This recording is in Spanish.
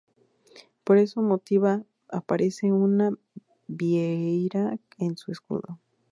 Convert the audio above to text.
Por ese motivo aparece una vieira en su escudo.